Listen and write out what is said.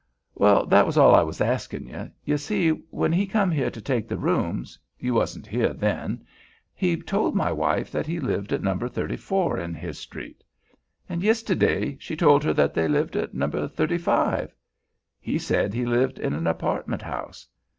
"Well—that was all I wuz askin' ye. Ye see, when he come here to take the rooms—you wasn't here then—he told my wife that he lived at number thirty four in his street. An' yistiddy she told her that they lived at number thirty five. He said he lived in an apartment house.